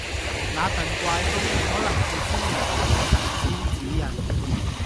那陣怪風可能是先人或者神仙指引